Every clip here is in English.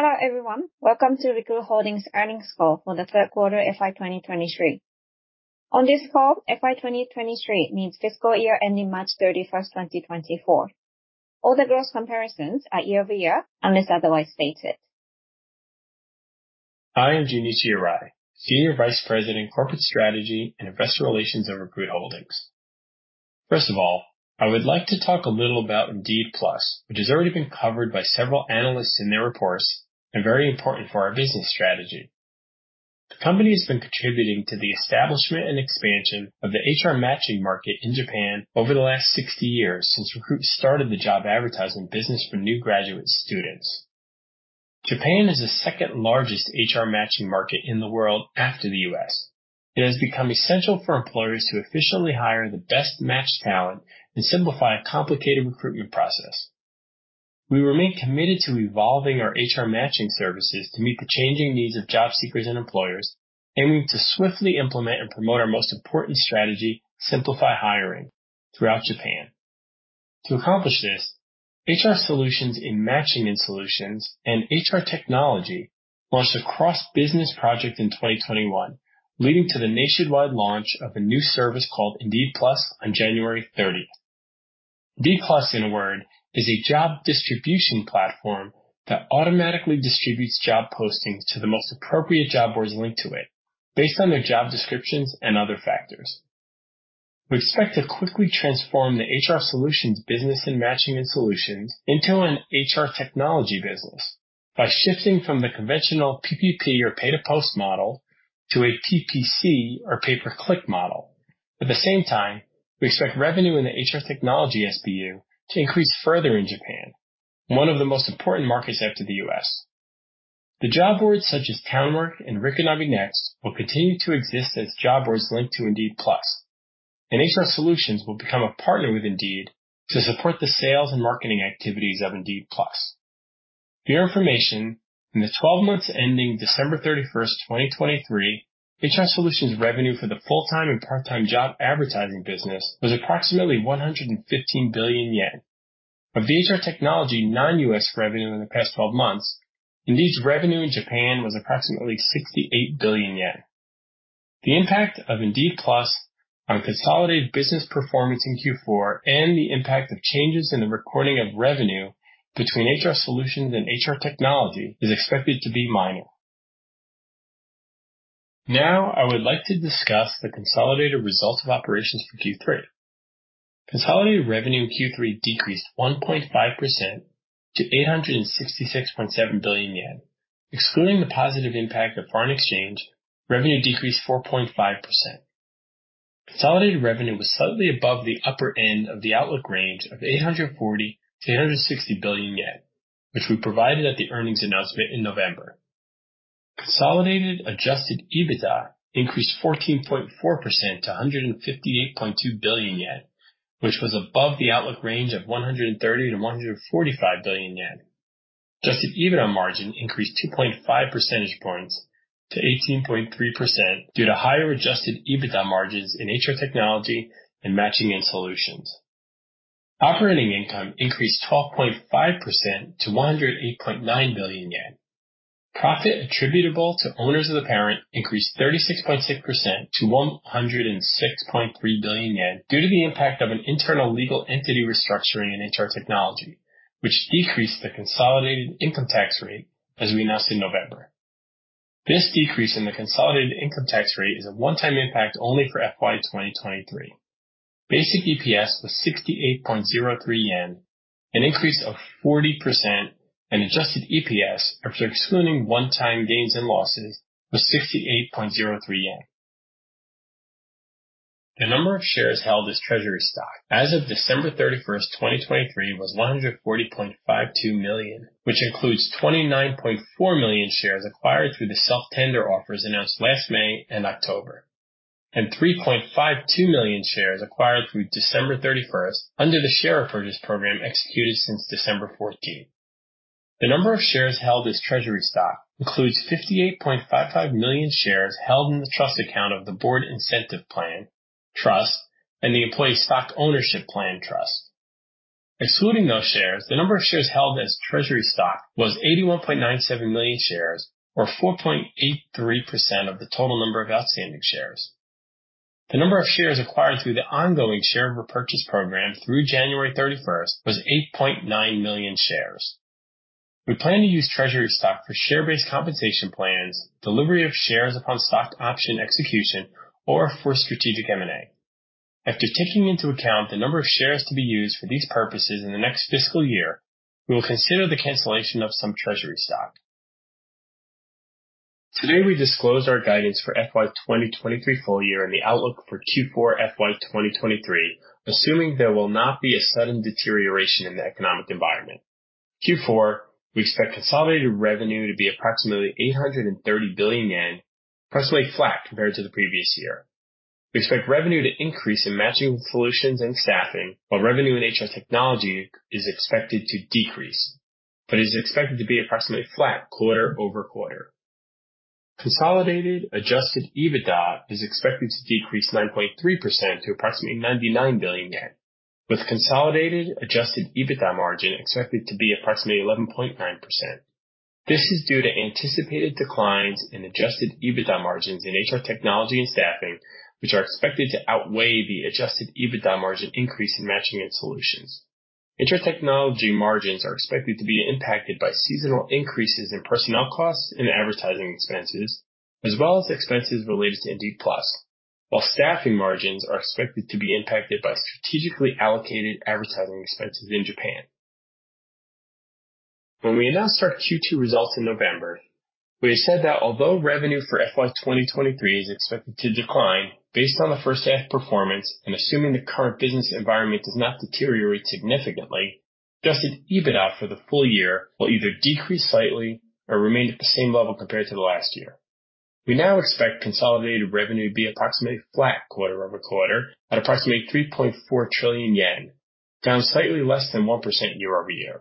Hello everyone, welcome to Recruit Holdings' earnings call for the third quarter FY 2023. On this call, FY 2023 means fiscal year ending March 31, 2024. All the growth comparisons are year-over-year unless otherwise stated. I am Junichi Arai, Senior Vice President, Corporate Strategy and Investor Relations at Recruit Holdings. First of all, I would like to talk a little about Indeed PLUS, which has already been covered by several analysts in their reports and very important for our business strategy. The company has been contributing to the establishment and expansion of the HR matching market in Japan over the last 60 years since Recruit started the job advertisement business for new graduate students. Japan is the second-largest HR matching market in the world after the U.S. It has become essential for employers to efficiently hire the best matched talent and simplify a complicated recruitment process. We remain committed to evolving our HR matching services to meet the changing needs of job seekers and employers, aiming to swiftly implement and promote our most important strategy, Simplify Hiring, throughout Japan. To accomplish this, HR Solutions in Matching & Solutions and HR Technology launched a cross-business project in 2021, leading to the nationwide launch of a new service called Indeed PLUS on January 30. Indeed PLUS, in a word, is a job distribution platform that automatically distributes job postings to the most appropriate job boards linked to it, based on their job descriptions and other factors. We expect to quickly transform the HR Solutions business in Matching & Solutions into an HR Technology business by shifting from the conventional PPP or pay-to-post model to a PPC or pay-per-click model. At the same time, we expect revenue in the HR Technology SBU to increase further in Japan, one of the most important markets after the U.S. The job boards such as TOWNWORK and Rikunabi NEXT will continue to exist as job boards linked to Indeed PLUS, and HR Solutions will become a partner with Indeed to support the sales and marketing activities of Indeed PLUS. For your information, in the 12 months ending December 31, 2023, HR Solutions' revenue for the full-time and part-time job advertising business was approximately 115 billion yen. Of the HR Technology non-U.S. revenue in the past 12 months, Indeed's revenue in Japan was approximately 68 billion yen. The impact of Indeed PLUS on consolidated business performance in Q4 and the impact of changes in the recording of revenue between HR Solutions and HR Technology is expected to be minor. Now I would like to discuss the consolidated results of operations for Q3. Consolidated revenue in Q3 decreased 1.5% to 866.7 billion yen. Excluding the positive impact of foreign exchange, revenue decreased 4.5%. Consolidated revenue was slightly above the upper end of the outlook range of 840 billion-860 billion yen, which we provided at the earnings announcement in November. Consolidated Adjusted EBITDA increased 14.4% to 158.2 billion yen, which was above the outlook range of 130 billion-145 billion yen. Adjusted EBITDA margin increased 2.5 percentage points to 18.3% due to higher Adjusted EBITDA margins in HR Technology and Matching & Solutions. Operating income increased 12.5% to 108.9 billion yen. Profit attributable to owners of the parent increased 36.6% to 106.3 billion yen due to the impact of an internal legal entity restructuring in HR Technology, which decreased the consolidated income tax rate as we announced in November. This decrease in the consolidated income tax rate is a one-time impact only for FY 2023. Basic EPS was 68.03 yen, an increase of 40%, and Adjusted EPS, after excluding one-time gains and losses, was 68.03 yen. The number of shares held as treasury stock as of December 31, 2023, was 140.52 million, which includes 29.4 million shares acquired through the self-tender offers announced last May and October, and 3.52 million shares acquired through December 31 under the share repurchase program executed since December 14. The number of shares held as treasury stock includes 58.55 million shares held in the trust account of the Board Incentive Plan trust and the Employee Stock Ownership Plan trust. Excluding those shares, the number of shares held as treasury stock was 81.97 million shares, or 4.83% of the total number of outstanding shares. The number of shares acquired through the ongoing share repurchase program through January 31 was 8.9 million shares. We plan to use treasury stock for share-based compensation plans, delivery of shares upon stock option execution, or for strategic M&A. After taking into account the number of shares to be used for these purposes in the next fiscal year, we will consider the cancellation of some treasury stock. Today we disclosed our guidance for FY 2023 full year and the outlook for Q4 FY 2023, assuming there will not be a sudden deterioration in the economic environment. Q4, we expect consolidated revenue to be approximately 830 billion yen, approximately flat compared to the previous year. We expect revenue to increase in Matching & Solutions and Staffing, while revenue in HR Technology is expected to decrease, but is expected to be approximately flat quarter-over-quarter. Consolidated Adjusted EBITDA is expected to decrease 9.3% to approximately 99 billion yen, with consolidated Adjusted EBITDA margin expected to be approximately 11.9%. This is due to anticipated declines in Adjusted EBITDA margins in HR Technology and Staffing, which are expected to outweigh the Adjusted EBITDA margin increase in Matching & Solutions. HR Technology margins are expected to be impacted by seasonal increases in personnel costs and advertising expenses, as well as expenses related to Indeed PLUS, while Staffing margins are expected to be impacted by strategically allocated advertising expenses in Japan. When we announced our Q2 results in November, we had said that although revenue for FY 2023 is expected to decline based on the first half performance and assuming the current business environment does not deteriorate significantly, Adjusted EBITDA for the full year will either decrease slightly or remain at the same level compared to the last year. We now expect consolidated revenue to be approximately flat quarter-over-quarter at approximately 3.4 trillion yen, down slightly less than 1% year-over-year.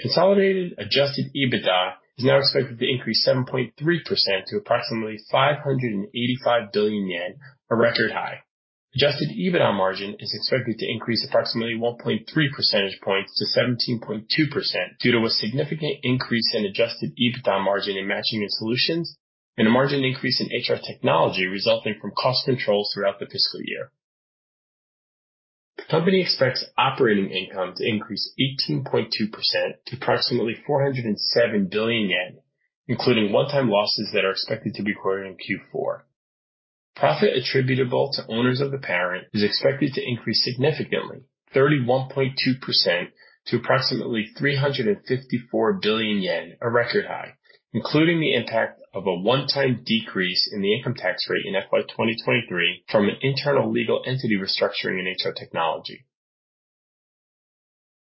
Consolidated adjusted EBITDA is now expected to increase 7.3% to approximately 585 billion yen, a record high. Adjusted EBITDA margin is expected to increase approximately 1.3 percentage points to 17.2% due to a significant increase in adjusted EBITDA margin in Matching & Solutions and a margin increase in HR Technology resulting from cost controls throughout the fiscal year. The company expects operating income to increase 18.2% to approximately 407 billion yen, including one-time losses that are expected to be recorded in Q4. Profit attributable to owners of the parent is expected to increase significantly, 31.2% to approximately 354 billion yen, a record high, including the impact of a one-time decrease in the income tax rate in FY 2023 from an internal legal entity restructuring in HR Technology.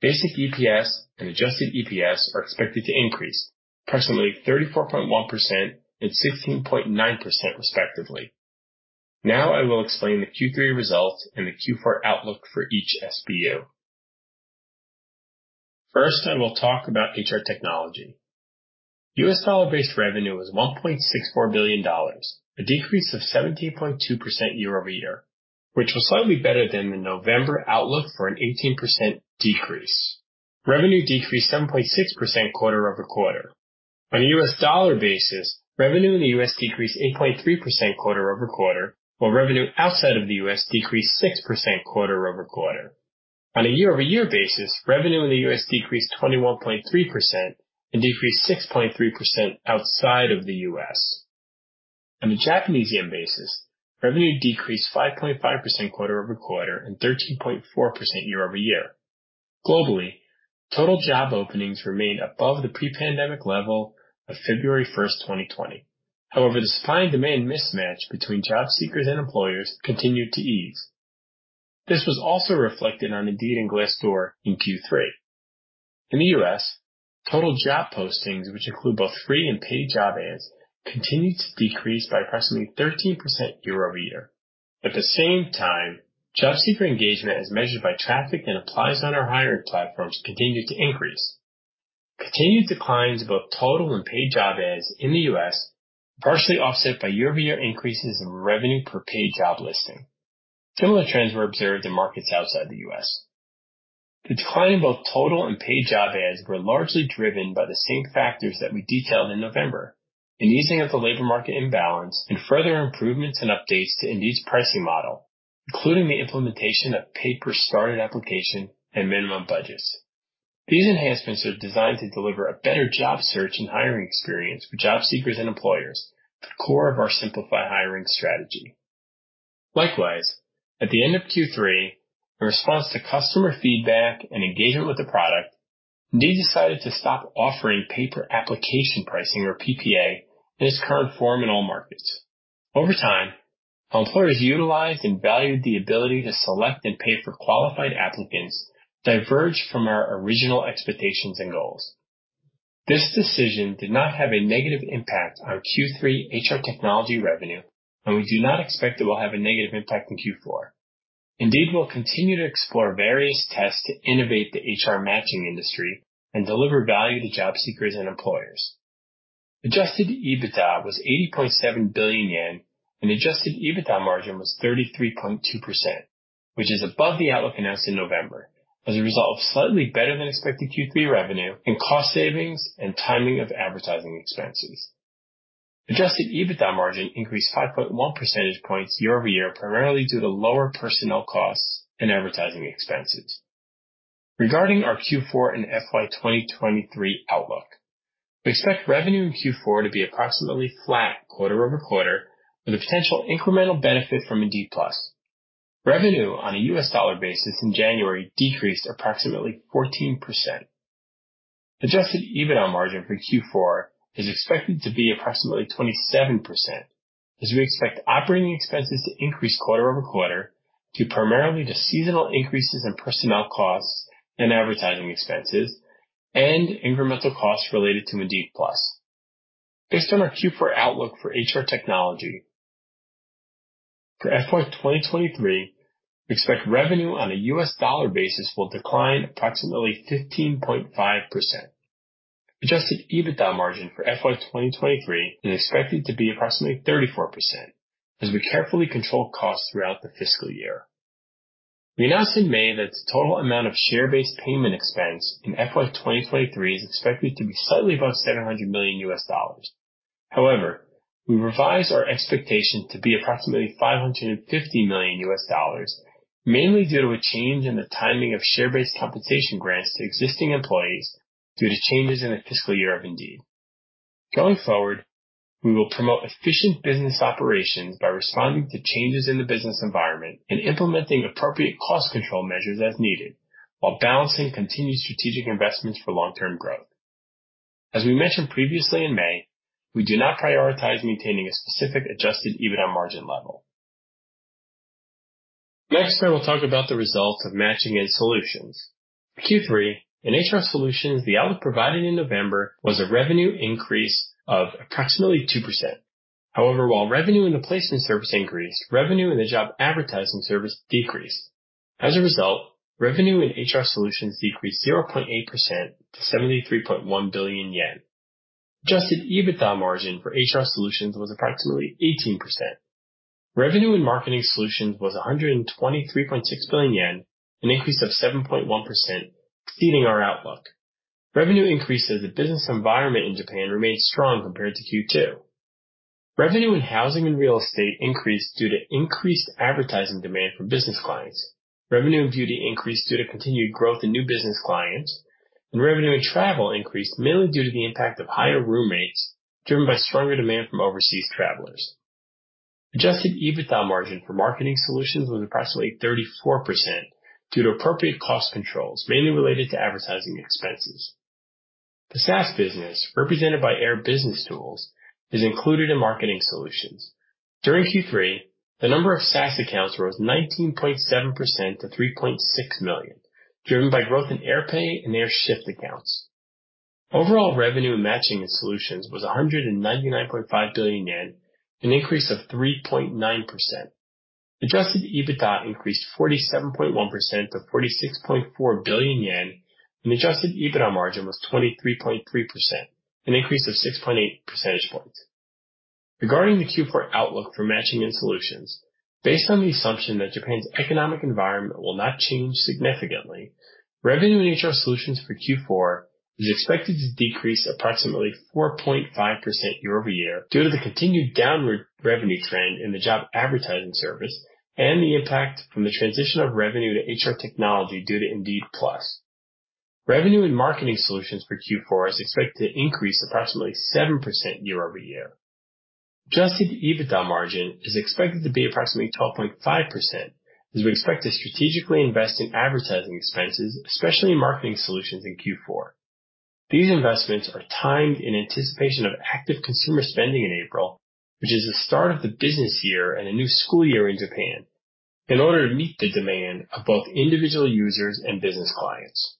Basic EPS and adjusted EPS are expected to increase, approximately 34.1% and 16.9% respectively. Now I will explain the Q3 results and the Q4 outlook for each SBU. First, I will talk about HR Technology. U.S. dollar-based revenue is $1.64 billion, a decrease of 17.2% year-over-year, which was slightly better than the November outlook for an 18% decrease. Revenue decreased 7.6% quarter-over-quarter. On a U.S. dollar basis, revenue in the U.S. decreased 8.3% quarter-over-quarter, while revenue outside of the U.S. decreased 6% quarter-over-quarter. On a year-over-year basis, revenue in the U.S. decreased 21.3% and decreased 6.3% outside of the U.S. On a Japanese yen basis, revenue decreased 5.5% quarter-over-quarter and 13.4% year-over-year. Globally, total job openings remained above the pre-pandemic level of February 1, 2020. However, the supply and demand mismatch between job seekers and employers continued to ease. This was also reflected on Indeed and Glassdoor in Q3. In the U.S., total job postings, which include both free and paid job ads, continued to decrease by approximately 13% year-over-year. At the same time, job seeker engagement, as measured by traffic and applies on our hiring platforms, continued to increase. Continued declines in both total and paid job ads in the U.S. were partially offset by year-over-year increases in revenue per paid job listing. Similar trends were observed in markets outside the U.S. The decline in both total and paid job ads was largely driven by the same factors that we detailed in November: an easing of the labor market imbalance and further improvements and updates to Indeed's pricing model, including the implementation of pay-per-started application and minimum budgets. These enhancements are designed to deliver a better job search and hiring experience for job seekers and employers, the core of our Simplify Hiring strategy. Likewise, at the end of Q3, in response to customer feedback and engagement with the product, Indeed decided to stop offering pay-per-application pricing, or PPA, in its current form in all markets. Over time, how employers utilized and valued the ability to select and pay for qualified applicants diverged from our original expectations and goals. This decision did not have a negative impact on Q3 HR Technology revenue, and we do not expect it will have a negative impact in Q4. Indeed will continue to explore various tests to innovate the HR Matching industry and deliver value to job seekers and employers. Adjusted EBITDA was 80.7 billion yen, and adjusted EBITDA margin was 33.2%, which is above the outlook announced in November as a result of slightly better-than-expected Q3 revenue and cost savings and timing of advertising expenses. Adjusted EBITDA margin increased 5.1 percentage points year-over-year, primarily due to lower personnel costs and advertising expenses. Regarding our Q4 and FY 2023 outlook, we expect revenue in Q4 to be approximately flat quarter-over-quarter, with a potential incremental benefit from Indeed PLUS. Revenue on a U.S. dollar basis in January decreased approximately 14%. Adjusted EBITDA margin for Q4 is expected to be approximately 27%, as we expect operating expenses to increase quarter-over-quarter primarily due to seasonal increases in personnel costs and advertising expenses and incremental costs related to Indeed PLUS. Based on our Q4 outlook for HR Technology, for FY 2023, we expect revenue on a U.S. dollar basis will decline approximately 15.5%. Adjusted EBITDA margin for FY 2023 is expected to be approximately 34%, as we carefully control costs throughout the fiscal year. We announced in May that the total amount of share-based payment expense in FY 2023 is expected to be slightly above $700 million. However, we revised our expectation to be approximately $550 million, mainly due to a change in the timing of share-based compensation grants to existing employees due to changes in the fiscal year of Indeed. Going forward, we will promote efficient business operations by responding to changes in the business environment and implementing appropriate cost control measures as needed, while balancing continued strategic investments for long-term growth. As we mentioned previously in May, we do not prioritize maintaining a specific adjusted EBITDA margin level. Next, I will talk about the results of Matching & Solutions. For Q3, in HR Solutions, the outlook provided in November was a revenue increase of approximately 2%. However, while revenue in the placement service increased, revenue in the job advertising service decreased. As a result, revenue in HR Solutions decreased 0.8% to 73.1 billion yen. Adjusted EBITDA margin for HR Solutions was approximately 18%. Revenue in Marketing Solutions was 123.6 billion yen, an increase of 7.1% exceeding our outlook. Revenue increase, as the business environment in Japan remained strong compared to Q2. Revenue in housing and real estate increased due to increased advertising demand from business clients. Revenue in beauty increased due to continued growth in new business clients, and revenue in travel increased mainly due to the impact of higher room rates driven by stronger demand from overseas travelers. Adjusted EBITDA margin for Marketing Solutions was approximately 34% due to appropriate cost controls, mainly related to advertising expenses. The SaaS business, represented by Air BusinessTools, is included in Marketing Solutions. During Q3, the number of SaaS accounts rose 19.7% to 3.6 million, driven by growth in AirPAY and AirSHIFT accounts. Overall revenue in Matching & Solutions was 199.5 billion yen, an increase of 3.9%. Adjusted EBITDA increased 47.1% to 46.4 billion yen, and adjusted EBITDA margin was 23.3%, an increase of 6.8 percentage points. Regarding the Q4 outlook for Matching & Solutions, based on the assumption that Japan's economic environment will not change significantly, revenue in HR Solutions for Q4 is expected to decrease approximately 4.5% year-over-year due to the continued downward revenue trend in the job advertising service and the impact from the transition of revenue to HR Technology due to Indeed PLUS. Revenue in Marketing Solutions for Q4 is expected to increase approximately 7% year-over-year. Adjusted EBITDA margin is expected to be approximately 12.5%, as we expect to strategically invest in advertising expenses, especially in Marketing Solutions in Q4. These investments are timed in anticipation of active consumer spending in April, which is the start of the business year and a new school year in Japan, in order to meet the demand of both individual users and business clients.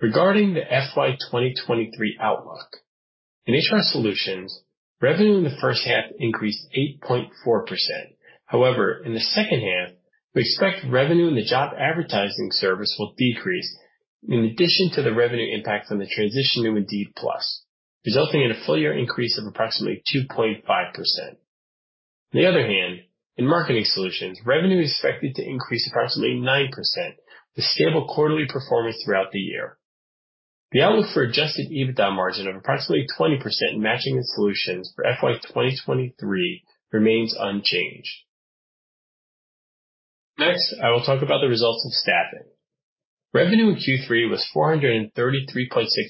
Regarding the FY 2023 outlook, in HR Solutions, revenue in the first half increased 8.4%. However, in the second half, we expect revenue in the job advertising service will decrease in addition to the revenue impact from the transition to Indeed PLUS, resulting in a full-year increase of approximately 2.5%. On the other hand, in Marketing Solutions, revenue is expected to increase approximately 9% with stable quarterly performance throughout the year. The outlook for Adjusted EBITDA margin of approximately 20% in Matching & Solutions for FY 2023 remains unchanged. Next, I will talk about the results of Staffing. Revenue in Q3 was 433.6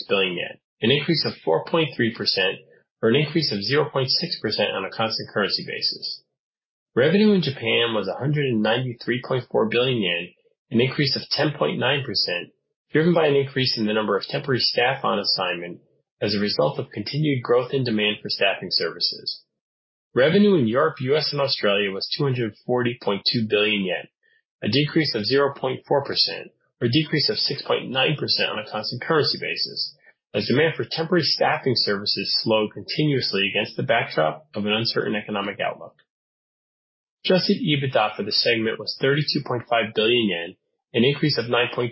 billion yen, an increase of 4.3% or an increase of 0.6% on a constant currency basis. Revenue in Japan was 193.4 billion yen, an increase of 10.9% driven by an increase in the number of temporary staff on assignment as a result of continued growth in demand for Staffing services. Revenue in Europe, U.S., and Australia was 240.2 billion yen, a decrease of 0.4% or a decrease of 6.9% on a constant currency basis as demand for temporary Staffing services slowed continuously against the backdrop of an uncertain economic outlook. Adjusted EBITDA for this segment was 32.5 billion yen, an increase of 9.2%,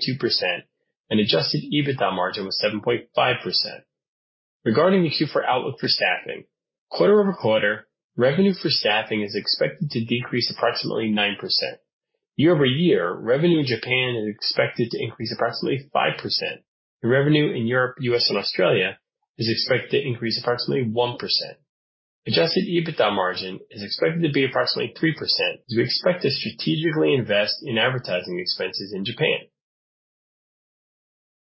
and adjusted EBITDA margin was 7.5%. Regarding the Q4 outlook for Staffing, quarter-over-quarter, revenue for Staffing is expected to decrease approximately 9%. Year-over-year, revenue in Japan is expected to increase approximately 5%, and revenue in Europe, U.S., and Australia is expected to increase approximately 1%. Adjusted EBITDA margin is expected to be approximately 3% as we expect to strategically invest in advertising expenses in Japan.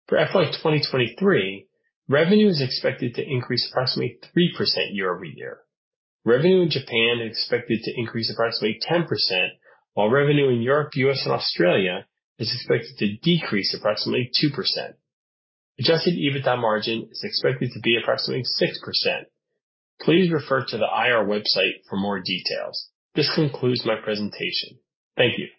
For FY 2023, revenue is expected to increase approximately 3% year-over-year. Revenue in Japan is expected to increase approximately 10%, while revenue in Europe, U.S., and Australia is expected to decrease approximately 2%. Adjusted EBITDA margin is expected to be approximately 6%. Please refer to the IR website for more details. This concludes my presentation. Thank you.